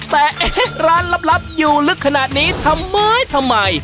แต่ร้านลับอยู่ลึกขนาดนี้ทำไม